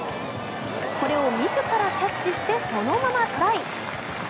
これを自らキャッチしてそのままトライ。